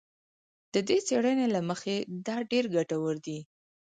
د دې څېړنې له مخې دا ډېر ګټور دی